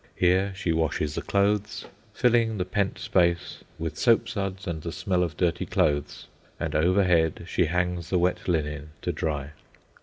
Here she washes the clothes, filling the pent space with soapsuds and the smell of dirty clothes, and overhead she hangs the wet linen to dry.